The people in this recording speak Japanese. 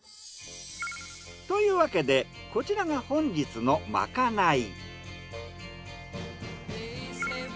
というわけでこちらが本日のまかない。